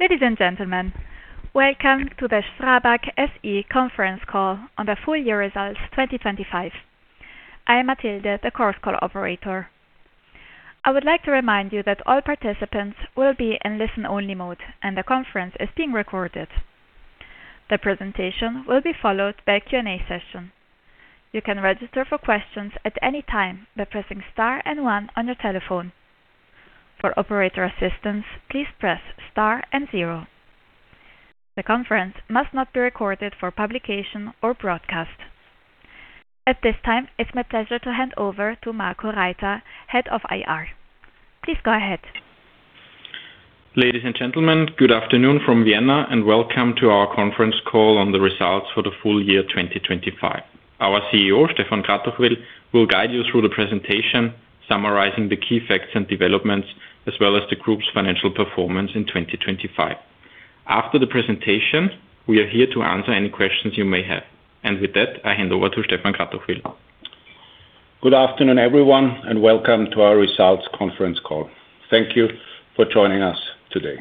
Ladies and gentlemen, welcome to the STRABAG SE conference call on the full year results 2025. I am Matilde, the Chorus Call operator. I would like to remind you that all participants will be in listen-only mode, and the conference is being recorded. The presentation will be followed by a Q&A session. You can register for questions at any time by pressing Star and One on your telephone. For operator assistance, please press Star and Zero. The conference must not be recorded for publication or broadcast. At this time, it's my pleasure to hand over to Marco Reiter, Head of IR. Please go ahead. Ladies and gentlemen, good afternoon from Vienna. Welcome to our conference call on the results for the full year 2025. Our CEO, Stefan Kratochwill, will guide you through the presentation, summarizing the key facts and developments, as well as the group's financial performance in 2025. After the presentation, we are here to answer any questions you may have. With that, I hand over to Stefan Kratochwill. Good afternoon, everyone, and welcome to our results conference call. Thank you for joining us today.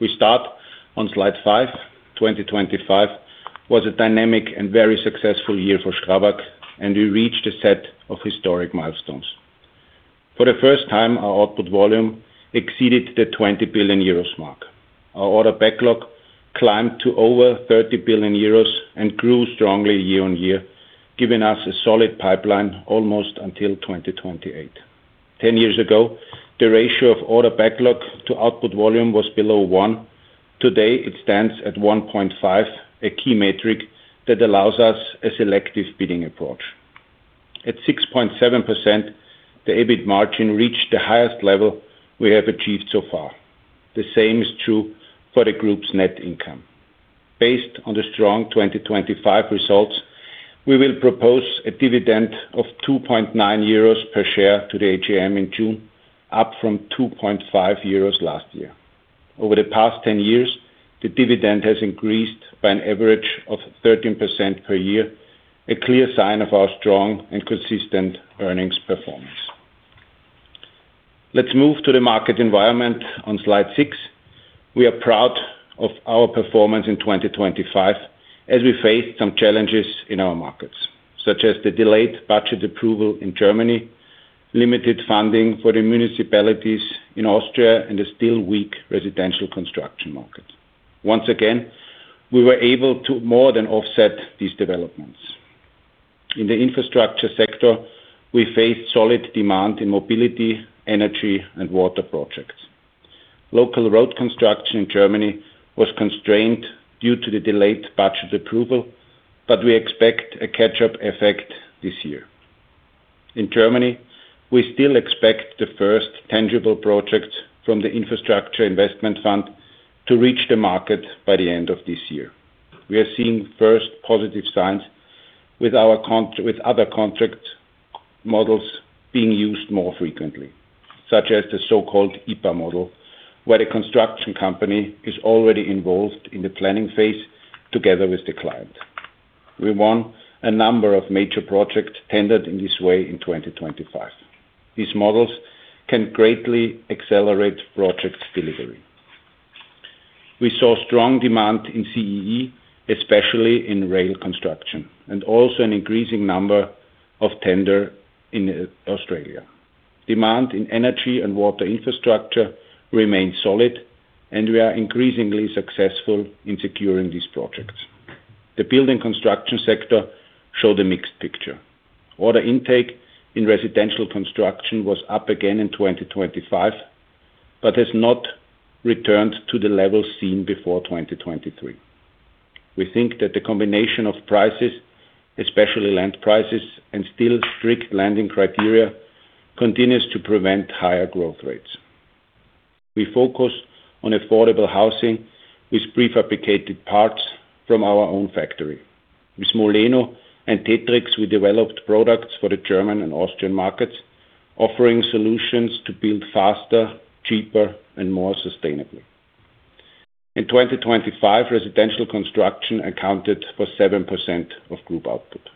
We start on slide five. 2025 was a dynamic and very successful year for STRABAG, and we reached a set of historic milestones. For the first time, our output volume exceeded the 20 billion euros mark. Our order backlog climbed to over 30 billion euros and grew strongly year on year, giving us a solid pipeline almost until 2028. 10 years ago, the ratio of order backlog to output volume was below 1. Today, it stands at 1.5, a key metric that allows us a selective bidding approach. At 6.7%, the EBIT margin reached the highest level we have achieved so far. The same is true for the group's net income. Based on the strong 2025 results, we will propose a dividend of 2.9 euros per share to the AGM in June, up from 2.5 euros last year. Over the past 10 years, the dividend has increased by an average of 13% per year, a clear sign of our strong and consistent earnings performance. Let's move to the market environment on slide six. We are proud of our performance in 2025 as we faced some challenges in our markets, such as the delayed budget approval in Germany, limited funding for the municipalities in Austria, and a still weak residential construction market. Once again, we were able to more than offset these developments. In the infrastructure sector, we faced solid demand in mobility, energy, and water projects. Local road construction in Germany was constrained due to the delayed budget approval, but we expect a catch-up effect this year. In Germany, we still expect the first tangible project from the Infrastructure Investment Fund to reach the market by the end of this year. We are seeing first positive signs with other contract models being used more frequently, such as the so-called IPA model, where the construction company is already involved in the planning phase together with the client. We won a number of major projects tendered in this way in 2025. These models can greatly accelerate project delivery. We saw strong demand in CEE, especially in rail construction, and also an increasing number of tender in Australia. Demand in energy and water infrastructure remains solid, and we are increasingly successful in securing these projects. The building construction sector showed a mixed picture. Order intake in residential construction was up again in 2025, but has not returned to the levels seen before 2023. We think that the combination of prices, especially land prices and still strict lending criteria, continues to prevent higher growth rates. We focus on affordable housing with prefabricated parts from our own factory. With MOLENO and TETRIQX, we developed products for the German and Austrian markets, offering solutions to build faster, cheaper, and more sustainably. In 2025, residential construction accounted for 7% of group output.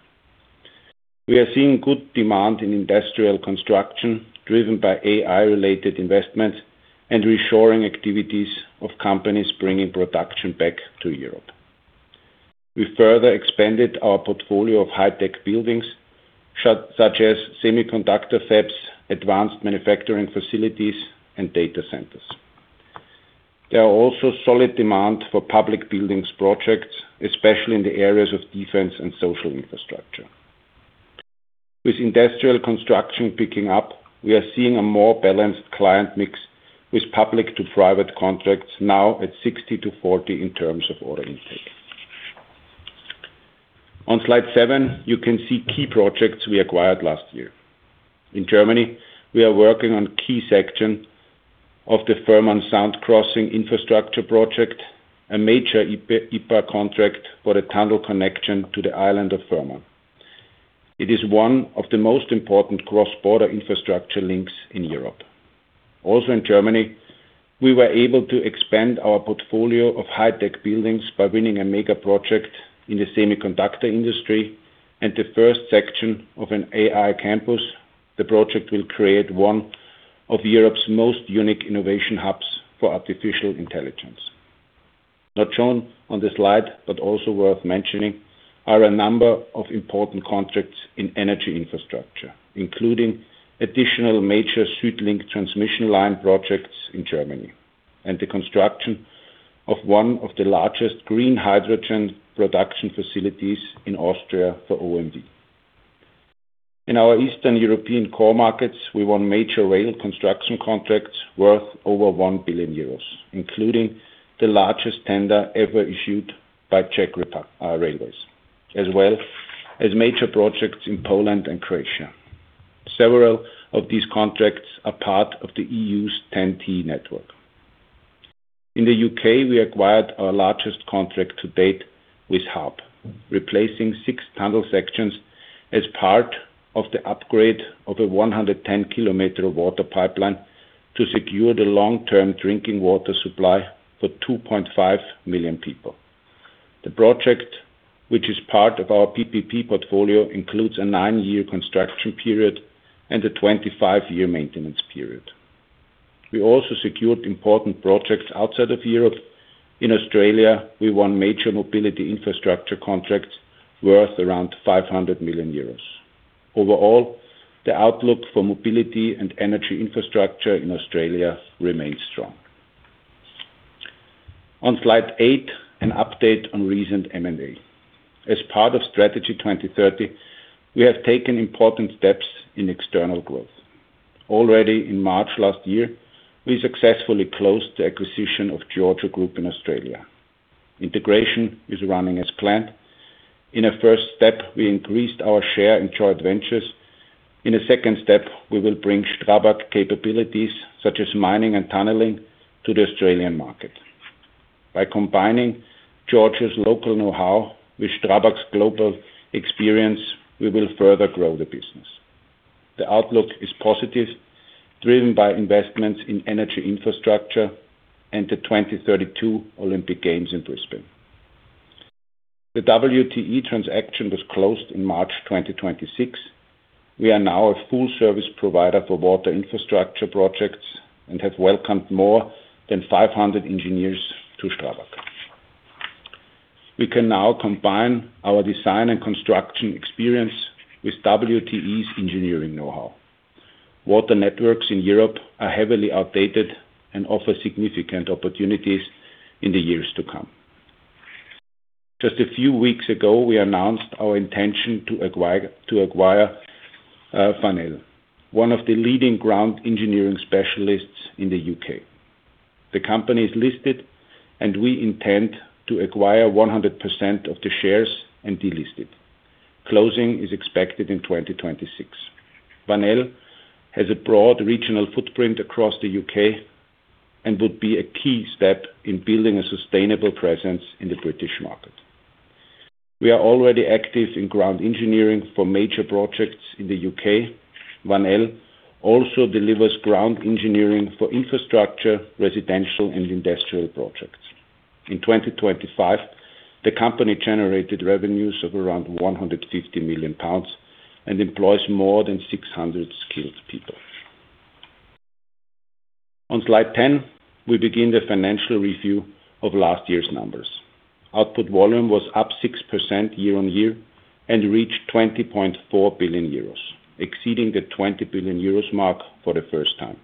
We are seeing good demand in industrial construction driven by AI-related investments and reshoring activities of companies bringing production back to Europe. We further expanded our portfolio of high-tech buildings, such as semiconductor fabs, advanced manufacturing facilities, and data centers. There are also solid demand for public buildings projects, especially in the areas of defense and social infrastructure. With industrial construction picking up, we are seeing a more balanced client mix with public to private contracts now at 60 to 40 in terms of order intake. On slide 7, you can see key projects we acquired last year. In Germany, we are working on key section of the Fehmarn Sound Crossing infrastructure project, a major IPA contract for the tunnel connection to the island of Fehmarn. It is one of the most important cross-border infrastructure links in Europe. Also in Germany, we were able to expand our portfolio of high-tech buildings by winning a mega project in the semiconductor industry and the first section of an AI campus. The project will create one of Europe's most unique innovation hubs for artificial intelligence. Not shown on the slide, but also worth mentioning, are a number of important contracts in energy infrastructure, including additional major SuedLink transmission line projects in Germany, and the construction of one of the largest green hydrogen production facilities in Austria for OMV. In our Eastern European core markets, we won major rail construction contracts worth over 1 billion euros, including the largest tender ever issued by Czech Railways, as well as major projects in Poland and Croatia. Several of these contracts are part of the EU's TEN-T network. In the U.K., we acquired our largest contract to date with HARP, replacing six tunnel sections as part of the upgrade of a 110-km water pipeline to secure the long-term drinking water supply for 2.5 million people. The project, which is part of our PPP portfolio, includes a nine-year construction period and a 25-year maintenance period. We also secured important projects outside of Europe. In Australia, we won major mobility infrastructure contracts worth around 500 million euros. Overall, the outlook for mobility and energy infrastructure in Australia remains strong. On slide eight, an update on recent M&A. As part of Strategy 2030, we have taken important steps in external growth. Already in March last year, we successfully closed the acquisition of Georgiou Group in Australia. Integration is running as planned. In a first step, we increased our share in joint ventures. In a second step, we will bring STRABAG capabilities, such as mining and tunneling, to the Australian market. By combining Georgiou's local know-how with STRABAG's global experience, we will further grow the business. The outlook is positive, driven by investments in energy infrastructure and the 2032 Olympic Games in Brisbane. The WTE transaction was closed in March 2026. We are now a full-service provider for water infrastructure projects and have welcomed more than 500 engineers to STRABAG. We can now combine our design and construction experience with WTE's engineering know-how. Water networks in Europe are heavily outdated and offer significant opportunities in the years to come. Just a few weeks ago, we announced our intention to acquire Van Elle, one of the leading ground engineering specialists in the U.K. The company is listed, and we intend to acquire 100% of the shares and delist it. Closing is expected in 2026. Van Elle has a broad regional footprint across the U.K. and would be a key step in building a sustainable presence in the British market. We are already active in ground engineering for major projects in the U.K. Van Elle also delivers ground engineering for infrastructure, residential, and industrial projects. In 2025, the company generated revenues of around 150 million pounds and employs more than 600 skilled people. On slide 10, we begin the financial review of last year's numbers. Output volume was up 6% year-on-year and reached 20.4 billion euros, exceeding the 20 billion euros mark for the first time.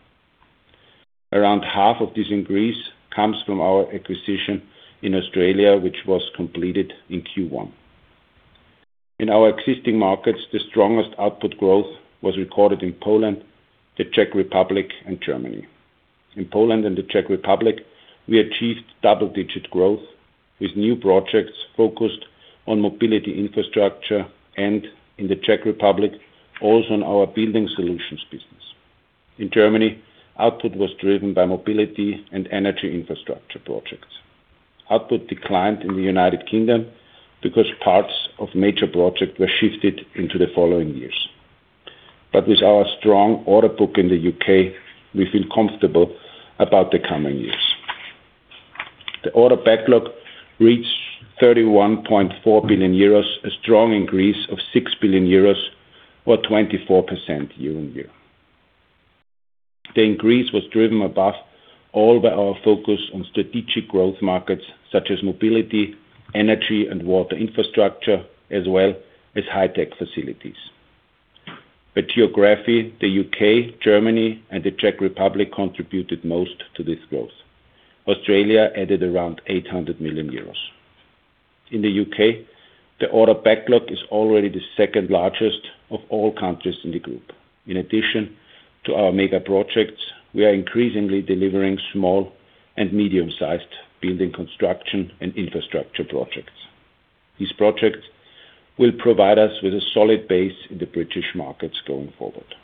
Around half of this increase comes from our acquisition in Australia, which was completed in Q1. In our existing markets, the strongest output growth was recorded in Poland, the Czech Republic, and Germany. In Poland and the Czech Republic, we achieved double-digit growth with new projects focused on mobility infrastructure and, in the Czech Republic, also on our building solutions business. In Germany, output was driven by mobility and energy infrastructure projects. Output declined in the United Kingdom because parts of major projects were shifted into the following years. With our strong order book in the U.K., we feel comfortable about the coming years. The order backlog reached 31.4 billion euros, a strong increase of 6 billion euros or 24% year on year. The increase was driven above all by our focus on strategic growth markets such as mobility, energy, and water infrastructure, as well as high-tech facilities. By geography, the U.K., Germany, and the Czech Republic contributed most to this growth. Australia added around 800 million euros. In the U.K., the order backlog is already the second largest of all countries in the group. In addition to our mega projects, we are increasingly delivering small and medium-sized building construction and infrastructure projects. These projects will provide us with a solid base in the British markets going forward.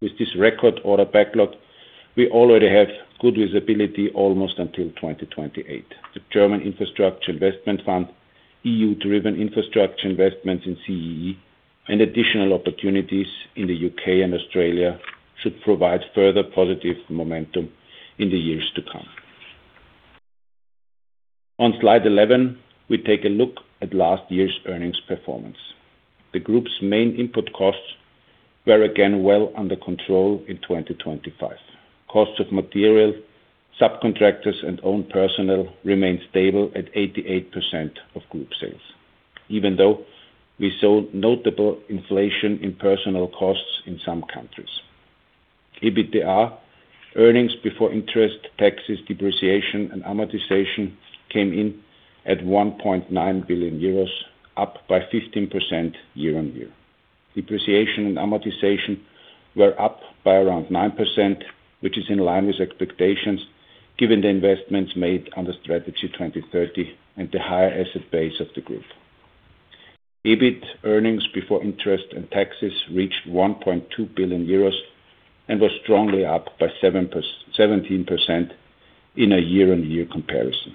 With this record order backlog, we already have good visibility almost until 2028. The German Infrastructure Investment Fund, EU-driven infrastructure investments in CEE, and additional opportunities in the U.K. and Australia should provide further positive momentum in the years to come. On slide 11, we take a look at last year's earnings performance. The group's main input costs were again well under control in 2025. Cost of material, subcontractors, and own personnel remained stable at 88% of group sales, even though we saw notable inflation in personnel costs in some countries. EBITDA, earnings before interest, taxes, depreciation, and amortization came in at 1.9 billion euros, up by 15% year-on-year. Depreciation and amortization were up by around 9%, which is in line with expectations given the investments made on the Strategy 2030 and the higher asset base of the group. EBIT, earnings before interest and taxes, reached 1.2 billion euros and was strongly up by 17% in a year-on-year comparison.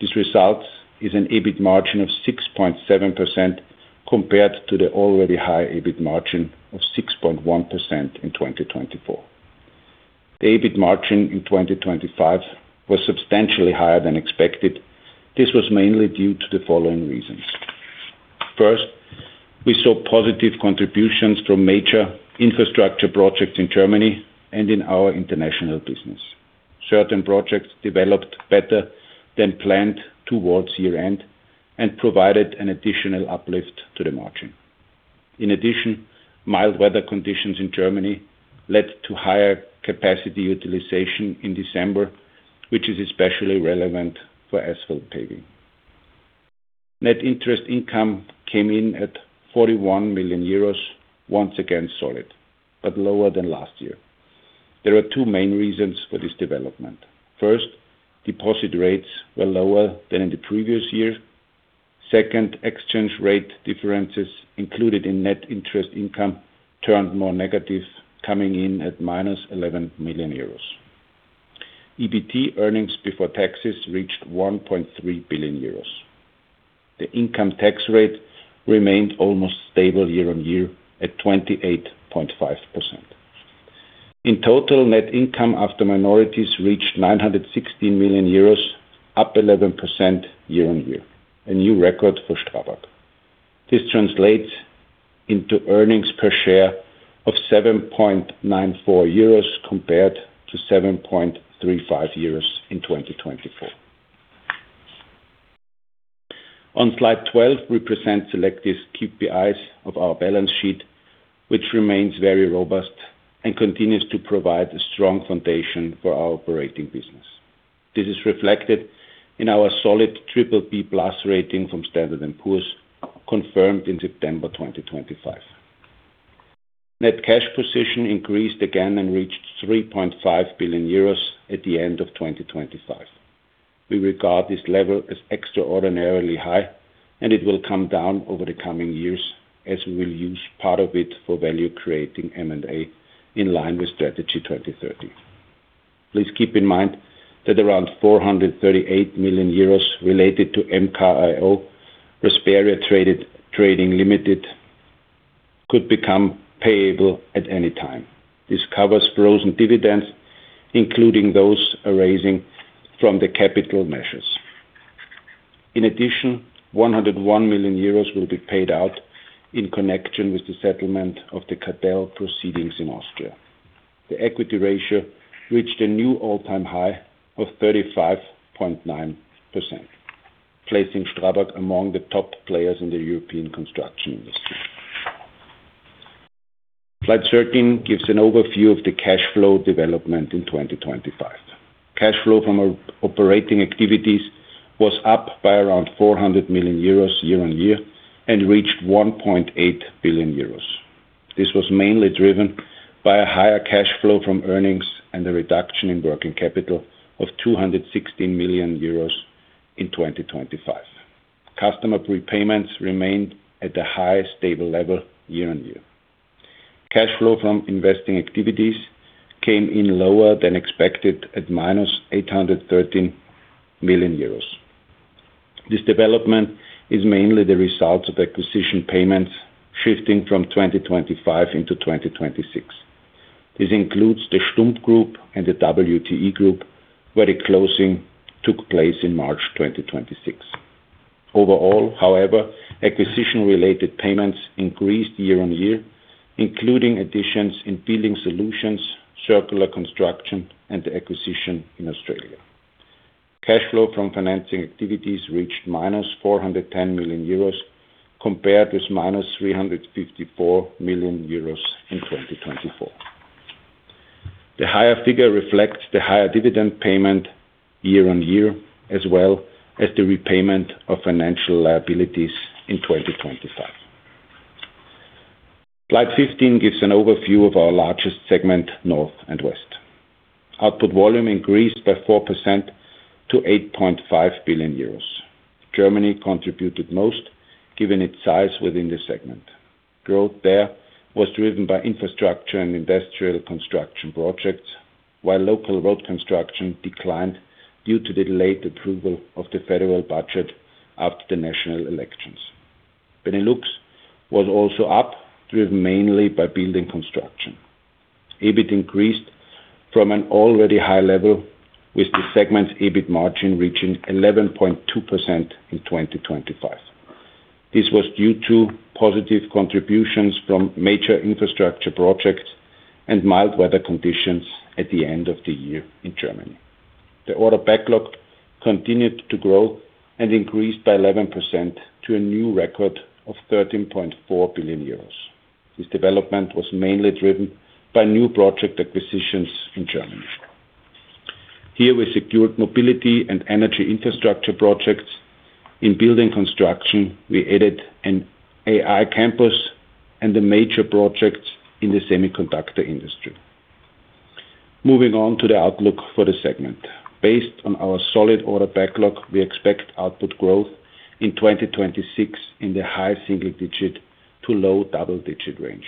This result is an EBIT margin of 6.7% compared to the already high EBIT margin of 6.1% in 2024. The EBIT margin in 2025 was substantially higher than expected. This was mainly due to the following reasons. First, we saw positive contributions from major infrastructure projects in Germany and in our international business. Certain projects developed better than planned towards year-end and provided an additional uplift to the margin. In addition, mild weather conditions in Germany led to higher capacity utilization in December, which is especially relevant for asphalt paving. Net interest income came in at 41 million euros, once again solid, but lower than last year. There are two main reasons for this development. First, deposit rates were lower than in the previous year. Second, exchange rate differences included in net interest income turned more negative, coming in at minus 11 million euros. EBT, earnings before taxes, reached 1.3 billion euros. The income tax rate remained almost stable year-on-year at 28.5%. In total, net income after minorities reached 960 million euros, up 11% year-on-year, a new record for STRABAG. This translates into earnings per share of 7.94 euros compared to 7.35 euros in 2024. On slide 12, we present selective KPIs of our balance sheet, which remains very robust and continues to provide a strong foundation for our operating business. This is reflected in our solid BBB+ rating from Standard & Poor's, confirmed in September 2025. Net cash position increased again and reached 3.5 billion euros at the end of 2025. We regard this level as extraordinarily high, and it will come down over the coming years as we will use part of it for value creating M&A in line with Strategy 2030. Please keep in mind that around 438 million euros related to MKAO Rasperia Trading Limited, could become payable at any time. This covers frozen dividends, including those arising from the capital measures. 101 million euros will be paid out in connection with the settlement of the cartel proceedings in Austria. The equity ratio reached a new all-time high of 35.9%, placing STRABAG among the top players in the European construction industry. Slide 13 gives an overview of the cash flow development in 2025. Cash flow from our operating activities was up by around 400 million euros year-on-year and reached 1.8 billion euros. This was mainly driven by a higher cash flow from earnings and a reduction in working capital of 260 million euros in 2025. Customer prepayments remained at the highest stable level year-on-year. Cash flow from investing activities came in lower than expected at -813 million euros. This development is mainly the result of acquisition payments shifting from 2025 into 2026. This includes the Stumpp Group and the WTE Group, where the closing took place in March 2026. Overall, however, acquisition-related payments increased year on year, including additions in building solutions, circular construction, and acquisition in Australia. Cash flow from financing activities reached minus 410 million euros compared with -354 million euros in 2024. The higher figure reflects the higher dividend payment year on year, as well as the repayment of financial liabilities in 2025. Slide 15 gives an overview of our largest segment, North + West. Output volume increased by 4% to 8.5 billion euros. Germany contributed most, given its size within the segment. Growth there was driven by infrastructure and industrial construction projects, while local road construction declined due to the delayed approval of the federal budget after the national elections. Benelux was also up, driven mainly by building construction. EBIT increased from an already high level, with the segment's EBIT margin reaching 11.2% in 2025. This was due to positive contributions from major infrastructure projects and mild weather conditions at the end of the year in Germany. The order backlog continued to grow and increased by 11% to a new record of 13.4 billion euros. This development was mainly driven by new project acquisitions in Germany. Here we secured mobility and energy infrastructure projects. In building construction, we added an AI campus and the major projects in the semiconductor industry. Moving on to the outlook for the segment. Based on our solid order backlog, we expect output growth in 2026 in the high single digit to low double-digit range.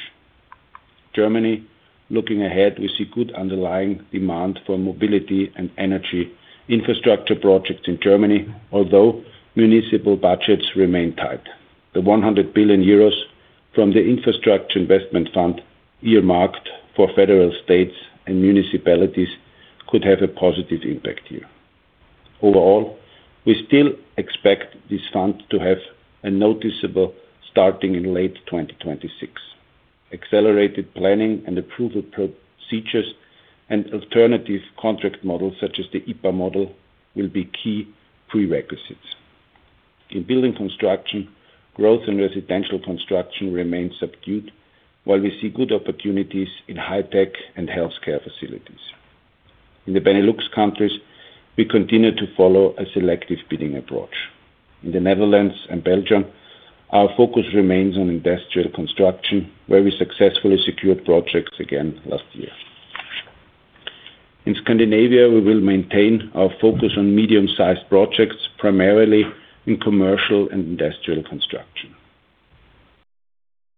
Germany, looking ahead, we see good underlying demand for mobility and energy infrastructure projects in Germany, although municipal budgets remain tight. The 100 billion euros from the Infrastructure Investment Fund earmarked for federal states and municipalities could have a positive impact here. Overall, we still expect this fund to have a noticeable starting in late 2026. Accelerated planning and approval procedures and alternative contract models, such as the IPA model, will be key prerequisites. In building construction, growth in residential construction remains subdued, while we see good opportunities in high-tech and healthcare facilities. In the Benelux countries, we continue to follow a selective bidding approach. In the Netherlands and Belgium, our focus remains on industrial construction, where we successfully secured projects again last year. In Scandinavia, we will maintain our focus on medium-sized projects, primarily in commercial and industrial construction.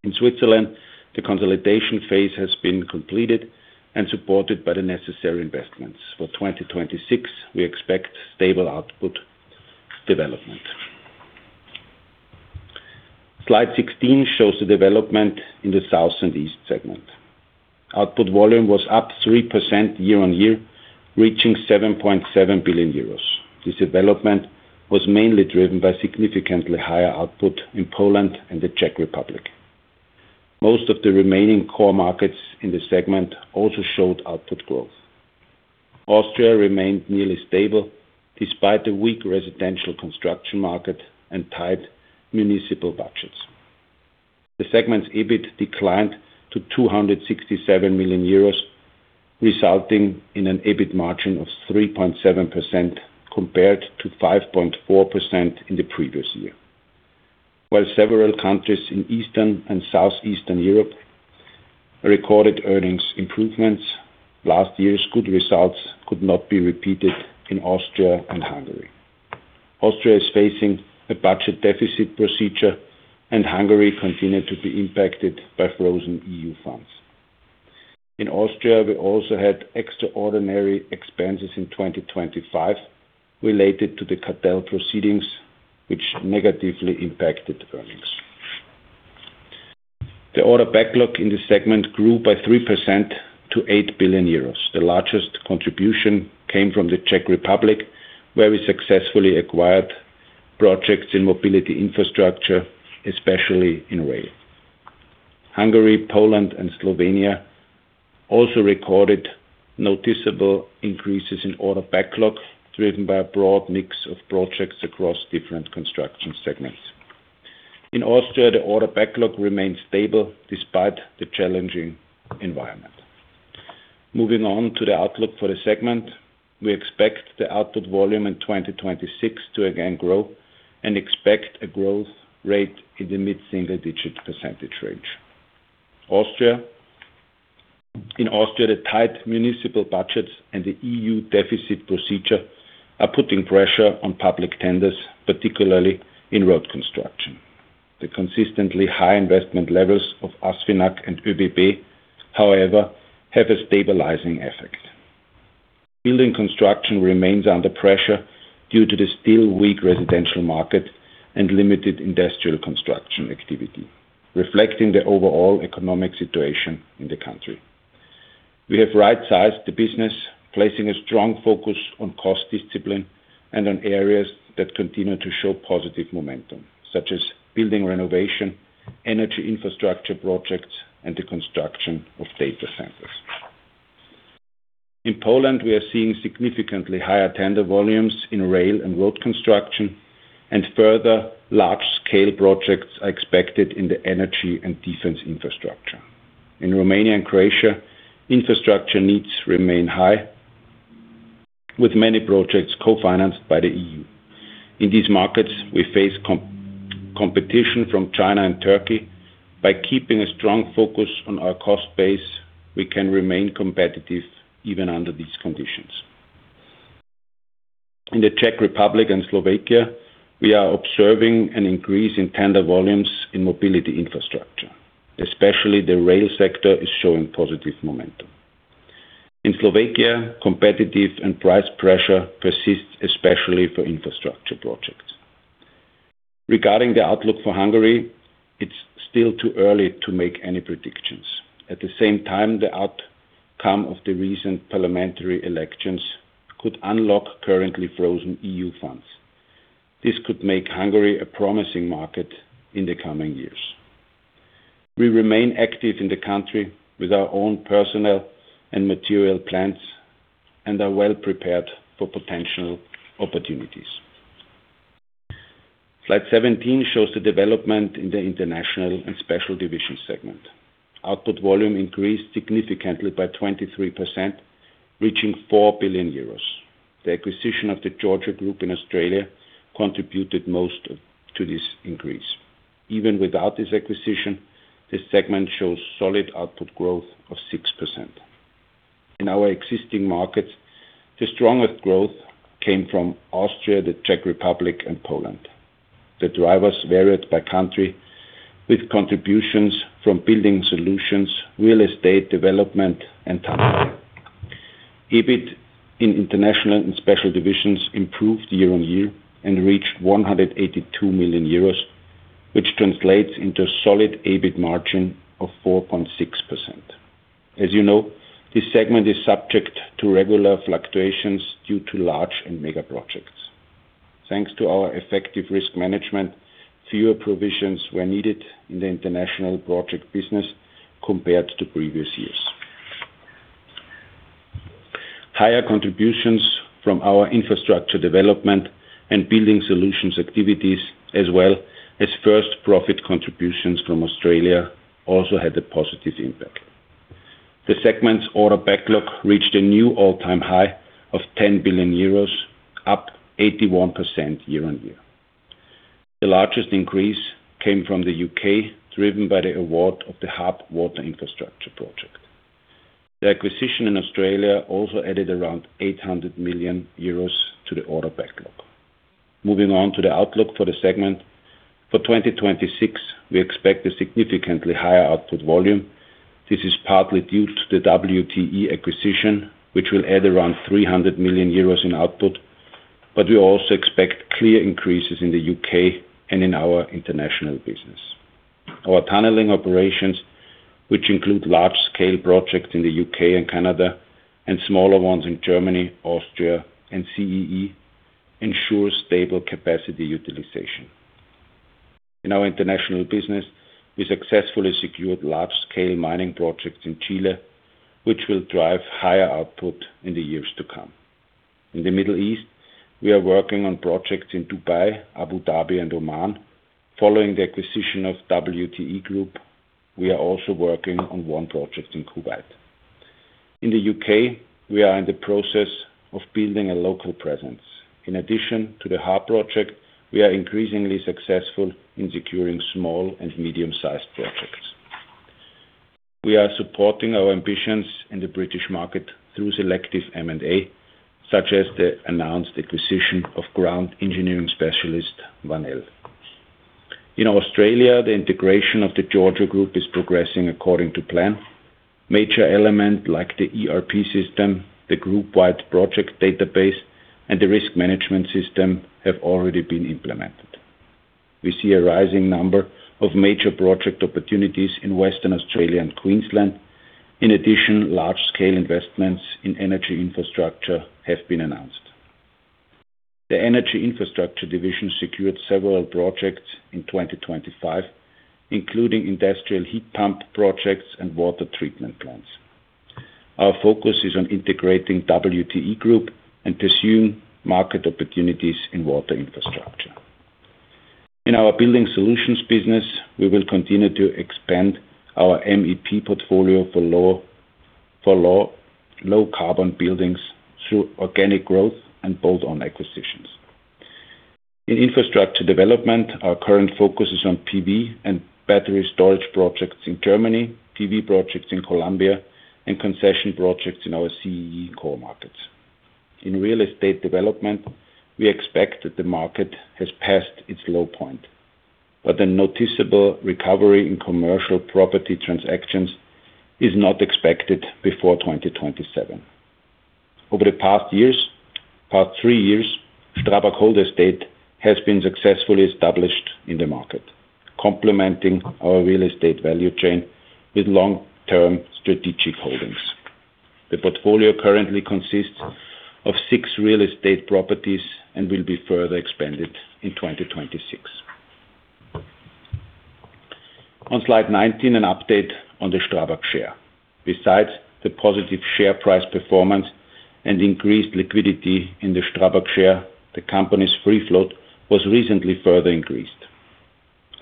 In Switzerland, the consolidation phase has been completed and supported by the necessary investments. For 2026, we expect stable output development. Slide 16 shows the development in the South and East segment. Output volume was up 3% year-on-year, reaching 7.7 billion euros. This development was mainly driven by significantly higher output in Poland and the Czech Republic. Most of the remaining core markets in this segment also showed output growth. Austria remained nearly stable despite the weak residential construction market and tight municipal budgets. The segment's EBIT declined to 267 million euros, resulting in an EBIT margin of 3.7% compared to 5.4% in the previous year. While several countries in Eastern and Southeastern Europe recorded earnings improvements, last year's good results could not be repeated in Austria and Hungary. Austria is facing a budget deficit procedure, and Hungary continued to be impacted by frozen EU funds. In Austria, we also had extraordinary expenses in 2025 related to the cartel proceedings, which negatively impacted earnings. The order backlog in this segment grew by 3% to 8 billion euros. The largest contribution came from the Czech Republic, where we successfully acquired projects in mobility infrastructure, especially in rail. Hungary, Poland, and Slovenia also recorded noticeable increases in order backlog, driven by a broad mix of projects across different construction segments. In Austria, the order backlog remains stable despite the challenging environment. Moving on to the outlook for the segment. We expect the output volume in 2026 to again grow and expect a growth rate in the mid-single digit percentage range. In Austria, the tight municipal budgets and the EU deficit procedure are putting pressure on public tenders, particularly in road construction. The consistently high investment levels of ASFINAG and ÖBB, however, have a stabilizing effect. Building construction remains under pressure due to the still weak residential market and limited industrial construction activity, reflecting the overall economic situation in the country. We have right-sized the business, placing a strong focus on cost discipline and on areas that continue to show positive momentum, such as building renovation, energy infrastructure projects, and the construction of data centers. In Poland, we are seeing significantly higher tender volumes in rail and road construction, and further large-scale projects are expected in the energy and defense infrastructure. In Romania and Croatia, infrastructure needs remain high, with many projects co-financed by the EU. In these markets, we face competition from China and Turkey. By keeping a strong focus on our cost base, we can remain competitive even under these conditions. In the Czech Republic and Slovakia, we are observing an increase in tender volumes in mobility infrastructure, especially the rail sector is showing positive momentum. In Slovakia, competitive and price pressure persists especially for infrastructure projects. Regarding the outlook for Hungary, it is still too early to make any predictions. The outcome of the recent parliamentary elections could unlock currently frozen EU funds. This could make Hungary a promising market in the coming years. We remain active in the country with our own personnel and material plants and are well prepared for potential opportunities. Slide 17 shows the development in the International + Special Divisions segment. Output volume increased significantly by 23%, reaching 4 billion euros. The acquisition of the Georgiou Group in Australia contributed most to this increase. Even without this acquisition, this segment shows solid output growth of 6%. In our existing markets, the strongest growth came from Austria, the Czech Republic and Poland. The drivers varied by country with contributions from building solutions, real estate development and tunneling. EBIT in International + Special Divisions improved year-over-year and reached 182 million euros, which translates into solid EBIT margin of 4.6%. As you know, this segment is subject to regular fluctuations due to large and mega projects. Thanks to our effective risk management, fewer provisions were needed in the international project business compared to previous years. Higher contributions from our infrastructure development and building solutions activities as well as first profit contributions from Australia also had a positive impact. The segment's order backlog reached a new all-time high of 10 billion euros, up 81% year on year. The largest increase came from the U.K., driven by the award of the HARP. The acquisition in Australia also added around 800 million euros to the order backlog. Moving on to the outlook for the segment. For 2026, we expect a significantly higher output volume. This is partly due to the WTE acquisition, which will add around 300 million euros in output, but we also expect clear increases in the U.K. and in our international business. Our tunneling operations, which include large-scale projects in the U.K. and Canada, and smaller ones in Germany, Austria and CEE, ensure stable capacity utilization. In our international business, we successfully secured large-scale mining projects in Chile, which will drive higher output in the years to come. In the Middle East, we are working on projects in Dubai, Abu Dhabi and Oman. Following the acquisition of WTE Group, we are also working on one project in Kuwait. In the U.K., we are in the process of building a local presence. In addition to the Hub project, we are increasingly successful in securing small and medium-sized projects. We are supporting our ambitions in the British market through selective M&A, such as the announced acquisition of ground engineering specialist, Van Elle. In Australia, the integration of the Georgiou Group is progressing according to plan. Major element like the ERP system, the group-wide project database, and the risk management system have already been implemented. We see a rising number of major project opportunities in Western Australia and Queensland. In addition, large-scale investments in energy infrastructure have been announced. The Energy Infrastructure Division secured several projects in 2025, including industrial heat pump projects and water treatment plants. Our focus is on integrating WTE Group and pursue market opportunities in water infrastructure. In our building solutions business, we will continue to expand our MEP portfolio for low, low carbon buildings through organic growth and bolt-on acquisitions. In infrastructure development, our current focus is on PV and battery storage projects in Germany, PV projects in Colombia, and concession projects in our CEE core markets. In real estate development, we expect that the market has passed its low point, but the noticeable recovery in commercial property transactions is not expected before 2027. Over the past three years, STRABAG Hold Estate has been successfully established in the market, complementing our real estate value chain with long-term strategic holdings. The portfolio currently consists of six real estate properties and will be further expanded in 2026. On slide 19, an update on the STRABAG share. Besides the positive share price performance and increased liquidity in the STRABAG share, the company's free float was recently further increased.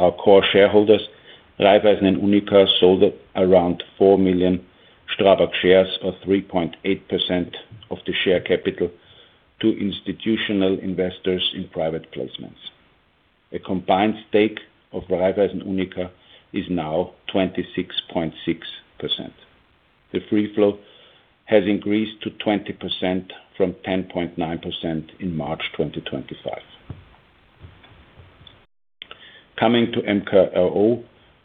Our core shareholders, Raiffeisen/UNIQA, sold around 4 million STRABAG shares or 3.8% of the share capital to institutional investors in private placements. A combined stake of Raiffeisen/UNIQA is now 26.6%. The free float has increased to 20% from 10.9% in March 2025. Coming to MKAO,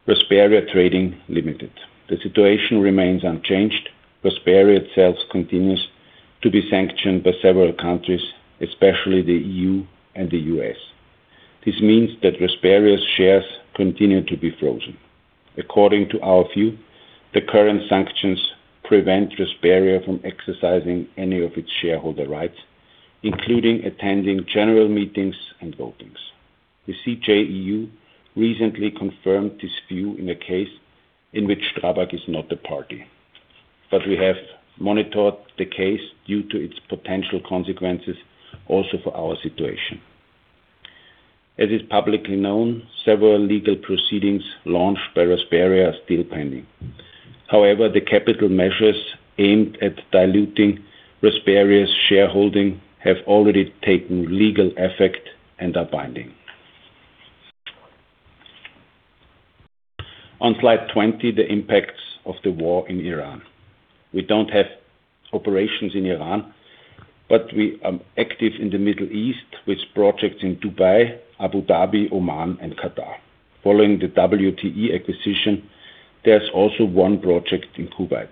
Rasperia Trading Limited. The situation remains unchanged. Rasperia itself continues to be sanctioned by several countries, especially the EU and the U.S. This means that Rasperia's shares continue to be frozen. According to our view, the current sanctions prevent Rasperia from exercising any of its shareholder rights, including attending general meetings and votings. The CJEU recently confirmed this view in a case in which STRABAG is not a party, but we have monitored the case due to its potential consequences also for our situation. As is publicly known, several legal proceedings launched by Rasperia are still pending. The capital measures aimed at diluting Rasperia's shareholding have already taken legal effect and are binding. On slide 20, the impacts of the war in Ukraine. We don't have operations in Iran, but we are active in the Middle East with projects in Dubai, Abu Dhabi, Oman and Qatar. Following the WTE acquisition, there's also one project in [Kuwait].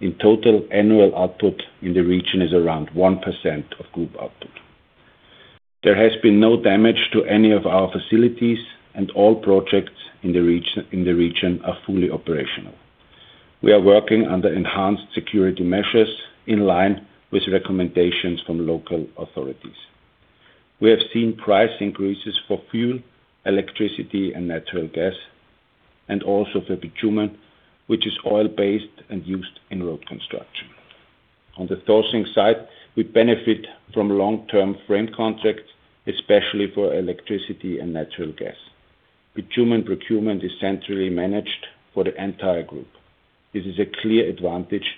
In total, annual output in the region is around 1% of group output. There has been no damage to any of our facilities, and all projects in the region are fully operational. We are working under enhanced security measures in line with recommendations from local authorities. We have seen price increases for fuel, electricity and natural gas, and also for bitumen, which is oil-based and used in road construction. On the sourcing side, we benefit from long-term frame contracts, especially for electricity and natural gas. Bitumen procurement is centrally managed for the entire group. This is a clear advantage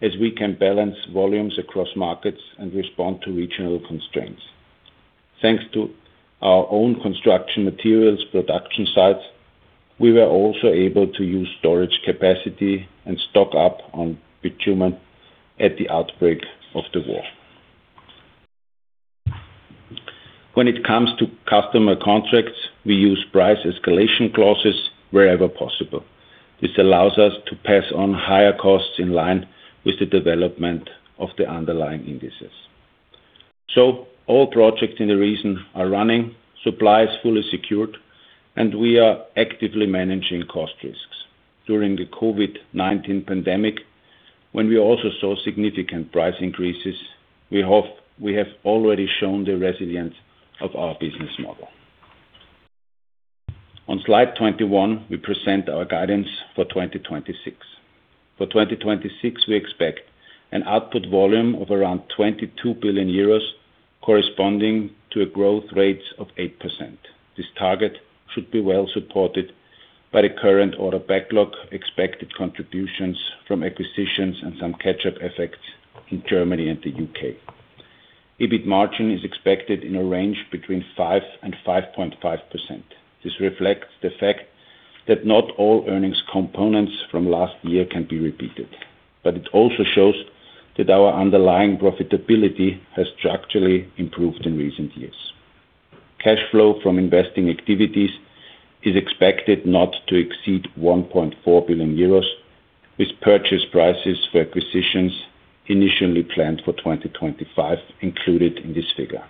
as we can balance volumes across markets and respond to regional constraints. Thanks to our own construction materials production sites, we were also able to use storage capacity and stock up on bitumen at the outbreak of the war. When it comes to customer contracts, we use price escalation clauses wherever possible. This allows us to pass on higher costs in line with the development of the underlying indices. All projects in the region are running, supply is fully secured, and we are actively managing cost risks. During the COVID-19 pandemic, when we also saw significant price increases, we have already shown t he resilience of our business model. On slide 21, we present our guidance for 2026. For 2026, we expect an output volume of around 22 billion euros, corresponding to a growth rate of 8%. This target should be well supported by the current order backlog, expected contributions from acquisitions, and some catch-up effects in Germany and the U.K. EBIT margin is expected in a range between 5% and 5.5%. This reflects the fact that not all earnings components from last year can be repeated, but it also shows that our underlying profitability has structurally improved in recent years. Cash flow from investing activities is expected not to exceed 1.4 billion euros, with purchase prices for acquisitions initially planned for 2025 included in this figure.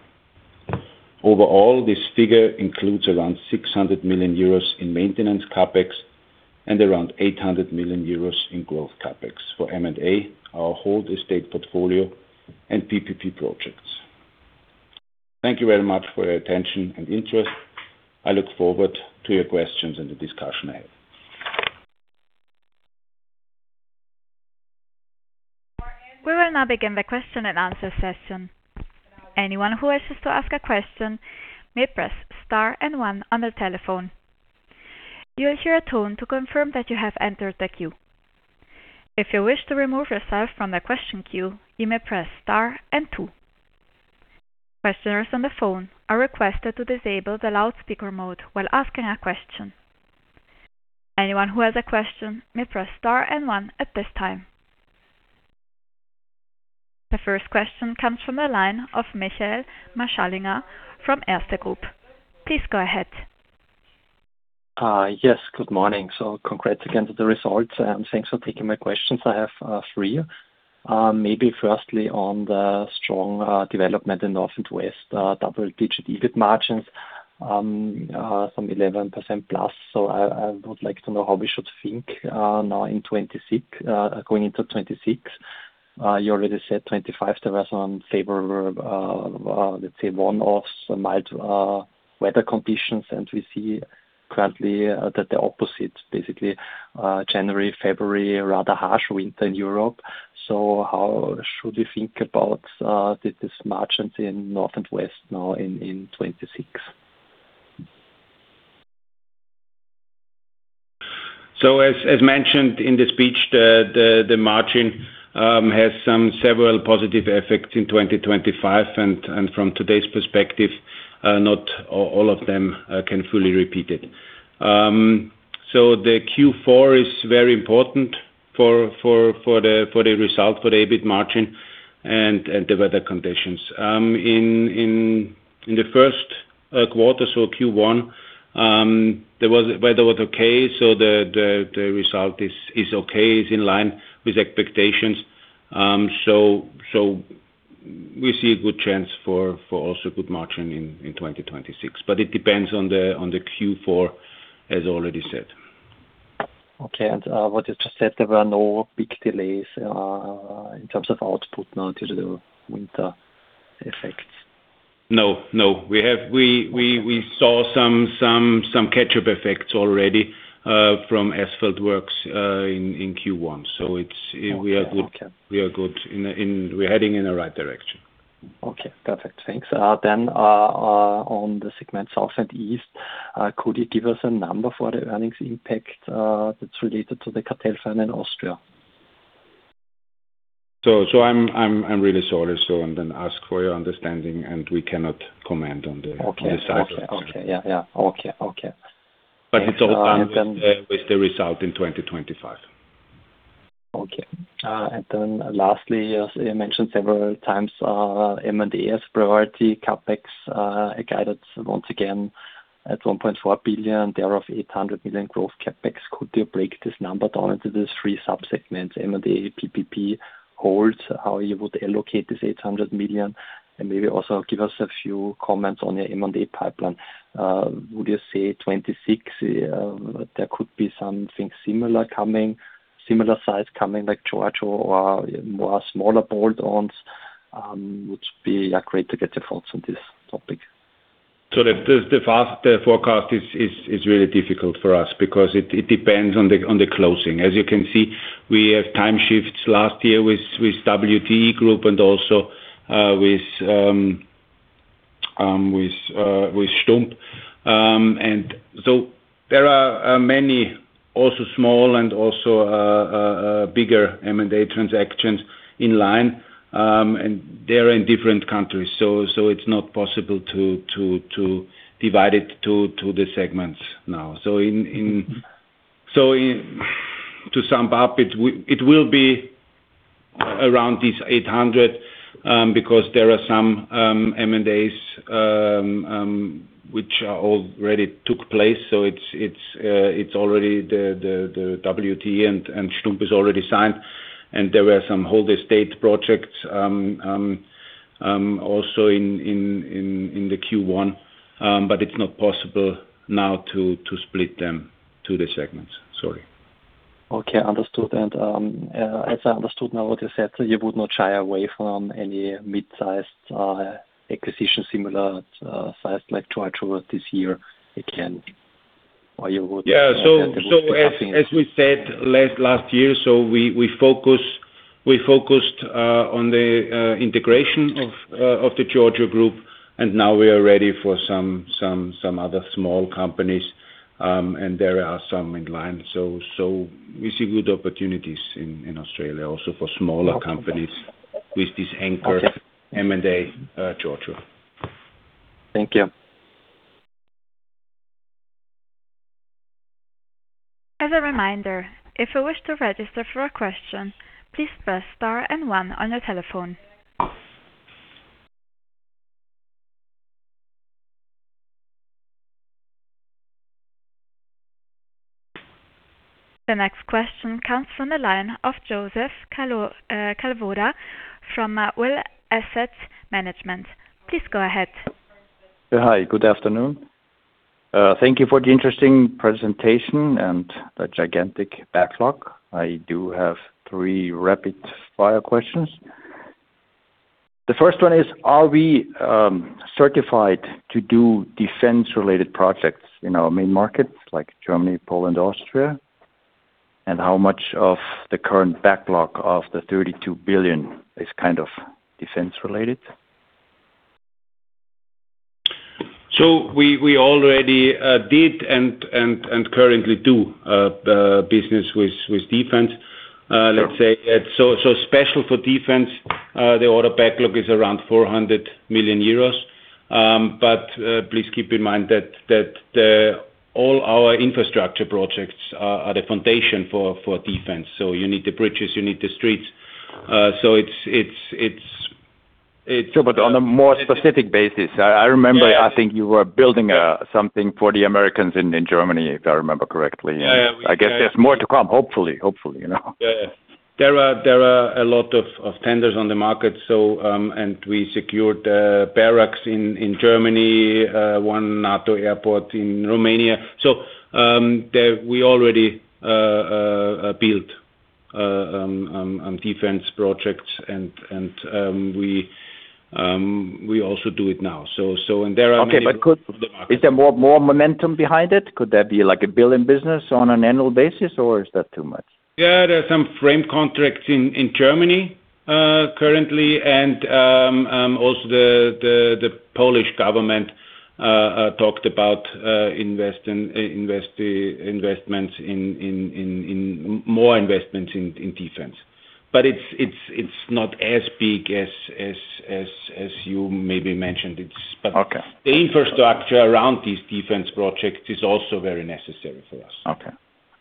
Overall, this figure includes around 600 million euros in maintenance CapEx and around 800 million euros in growth CapEx for M&A, our hold estate portfolio and PPP projects. Thank you very much for your attention and interest. I look forward to your questions and the discussion ahead. We will now begin the question and answer session. Anyone who wishes to ask a question may press star and one on the telephone. You will hear a tone to confirm that you have entered the queue. If you wish to remove yourself from the question queue, you may press star and two. Questioners on the phone are requested to disable the loudspeaker mode while asking a question. Anyone who has a question may press star and one at this time. The first question comes from the line of Michael Marschallinger from Erste Group. Please go ahead. Yes. Good morning. Congrats again to the results, and thanks for taking my questions. I have three. Maybe firstly on the strong development in North + West, double-digit EBIT margins, some 11% plus. I would like to know how we should think now in 2026, going into 2026. You already said 2025, there was some favor, let's say one-offs, some mild weather conditions, and we see currently that the opposite basically, January, February, rather harsh winter in Europe. How should we think about this margins in North + West now in 2026? As mentioned in the speech, the margin has several positive effects in 2025 and from today's perspective, not all of them can fully repeat it. The Q4 is very important for the result, for the EBIT margin and the weather conditions. In the first quarter, so Q1, Weather was okay, so the result is okay, is in line with expectations. We see a good chance for also good margin in 2026. It depends on the Q4, as already said. Okay. What you just said, there were no big delays in terms of output now due to the winter effects? No, no. We saw some catch-up effects already from asphalt works in Q1. Okay. We are good. We are good. We're heading in the right direction. Okay. Perfect. Thanks. On the segment South + East, could you give us a number for the earnings impact that's related to the cartel fine in Austria? I'm really sorry, so I then as ask for your understanding, and we cannot comment on Okay. On the side. Okay. Okay. Yeah, yeah. Okay. Okay. It's all done. And then- With the result in 2025. Okay. Lastly, as you mentioned several times, M&A as priority CapEx, guided once again at 1.4 billion, thereof 800 million growth CapEx. Could you break this number down into these three subsegments, M&A, PPP, holds, how you would allocate this 800 million? Maybe also give us a few comments on your M&A pipeline. Would you say 2026, there could be something similar coming, similar size coming like Georgiou or more smaller bolt-ons? Would be great to get your thoughts on this topic. The forecast is really difficult for us because it depends on the closing. As you can see, we have time shifts last year with WTE Group and also with Stumpp. There are many also small and also bigger M&A transactions in line, and they're in different countries. It's not possible to divide it to the segments now. To sum up, it will be around this 800 because there are some M&As which already took place. It's already the WTE and Stumpp is already signed, and there were some Hold Estate projects also in the Q1. It's not possible now to split them to the segments. Sorry. Okay. Understood. As I understood now what you said, you would not shy away from any mid-sized acquisition similar size like Georgiou Group this year again? Yeah. As we said last year, we focused on the integration of the Georgiou Group. Now we are ready for some other small companies, and there are some in line. We see good opportunities in Australia also for smaller companies. Okay. Got it. With this anchor- Okay. M&A, Georgiou. Thank you. As a reminder, if you wish to register for a question, please press star and one on your telephone. The next question comes from the line of [Joseph Calvoda] from World Asset Management. Please go ahead. Hi. Good afternoon. Thank you for the interesting presentation and the gigantic backlog. I do have rapid-fire questions. The first one is, are we certified to do defense-related projects in our main markets like Germany, Poland, Austria? How much of the current backlog of the 32 billion is kind of defense-related? We already did and currently do business with defense. Special for defense, the order backlog is around 400 million euros. Please keep in mind that all our infrastructure projects are the foundation for defense. You need the bridges, you need the streets. Sure. On a more specific basis, I remember. Yeah. I think you were building something for the Americans in Germany, if I remember correctly. Yeah. I guess there's more to come, hopefully. Hopefully, you know. Yeah. There are a lot of tenders on the market, so we secured barracks in Germany, one NATO airport in Romania. We already built defense projects and we also do it now. Okay. Could- Of the market. Is there more momentum behind it? Could that be like a billion business on an annual basis, or is that too much? Yeah. There are some frame contracts in Germany currently. Also the Polish government talked about more investments in defense. It's not as big as you maybe mentioned. Okay. The infrastructure around these defense projects is also very necessary for us. Okay,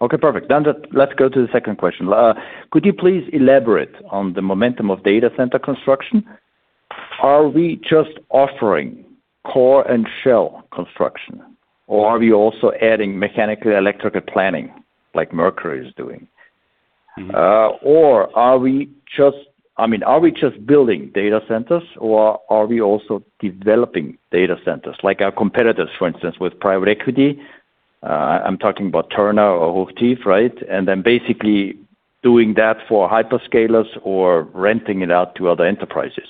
perfect. Let's go to the second question. Could you please elaborate on the momentum of data center construction? Are we just offering core and shell construction, or are we also adding mechanical electrical planning like Mercury is doing? I mean, are we just building data centers or are we also developing data centers like our competitors, for instance, with private equity? I'm talking about Turner or Hochtief, right? Basically doing that for hyperscalers or renting it out to other enterprises.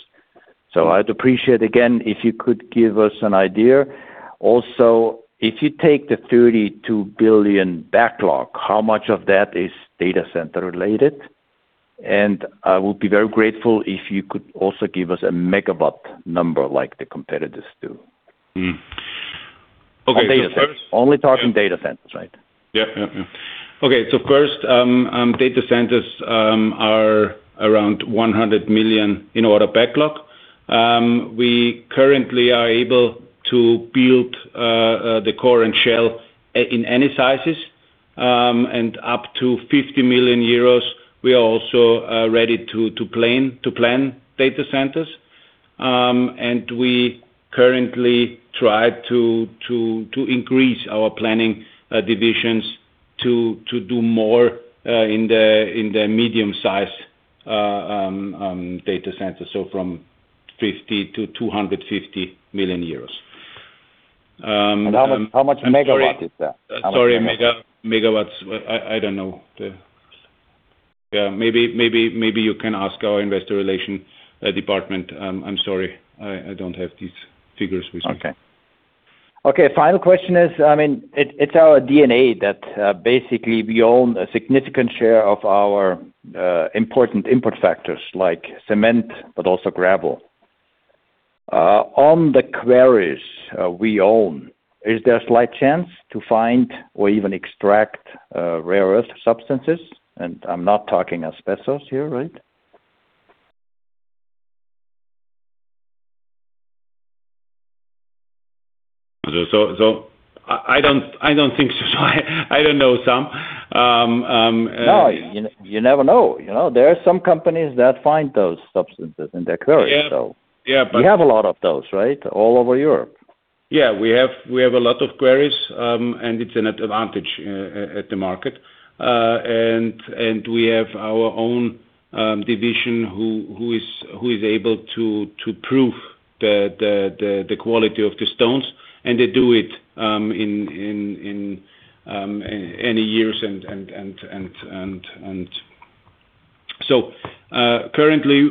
I'd appreciate, again, if you could give us an idea. Also, if you take the 32 billion backlog, how much of that is data center related? I will be very grateful if you could also give us a megawatt number like the competitors do. Mm-hmm. Okay. On data centers. Only talking data centers, right? Yeah. Yeah. Yeah. Okay. First, data centers are around 100 million in order backlog. We currently are able to build the core and shell in any sizes, and up to 50 million euros. We are also ready to plan data centers. And we currently try to increase our planning divisions to do more in the medium-size data centers. From EUR 50 million-EUR 250 million. How much megawatt is that? Sorry. Mega-megawatts, I don't know the. Yeah, maybe you can ask our Investor Relations department. I'm sorry, I don't have these figures with me. Okay. Okay, final question is, I mean, it's our DNA that basically we own a significant share of our important input factors like cement, but also gravel. On the quarries we own, is there a slight chance to find or even extract rare earth substances? I'm not talking asbestos here, right? I don't think so. I don't know some. No, you never know. You know, there are some companies that find those substances in their quarries, so. Yeah. You have a lot of those, right? All over Europe. We have a lot of quarries, and it's an advantage at the market. We have our own division who is able to prove the quality of the stones, and they do it in any years. Currently,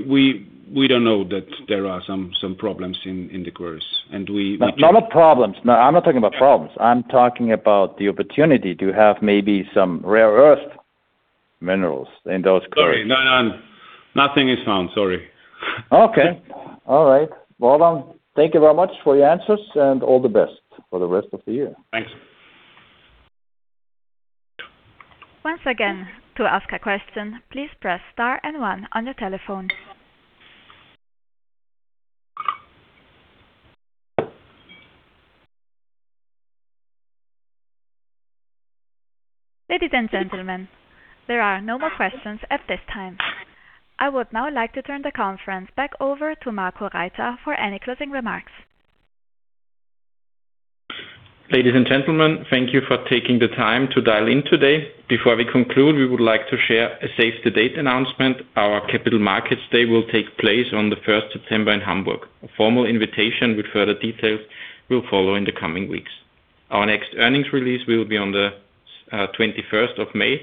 we don't know that there are some problems in the quarries. No, not problems. No, I'm not talking about problems. I'm talking about the opportunity to have maybe some rare earth minerals in those quarries. Sorry. No, none. Nothing is found. Sorry. Okay. All right. Well, thank you very much for your answers, and all the best for the rest of the year. Thanks. Once again, to ask a question, please press Star and One on your telephone. Ladies and gentlemen, there are no more questions at this time. I would now like to turn the conference back over to Marco Reiter for any closing remarks. Ladies and gentlemen, thank you for taking the time to dial in today. Before we conclude, we would like to share a save-the-date announcement. Our Capital Markets Day will take place on the first September in Hamburg. A formal invitation with further details will follow in the coming weeks. Our next earnings release will be on the 21st of May,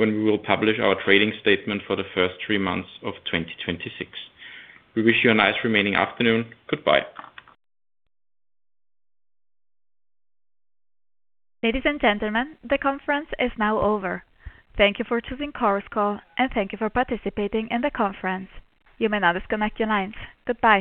when we will publish our trading statement for the first three months of 2026. We wish you a nice remaining afternoon. Goodbye. Ladies and gentlemen, the conference is now over. Thank you for choosing Chorus Call, and thank you for participating in the conference. You may now disconnect your lines. Goodbye.